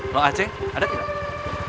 bang aceh ada tidak